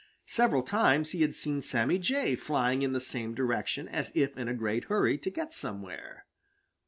Several times he had seen Sammy Jay flying in the same direction as if in a great hurry to get somewhere.